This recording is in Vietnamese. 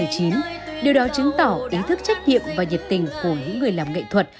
điều đó chứng tỏ ý thức trách nhiệm và nhiệt tình của những người làm nghệ thuật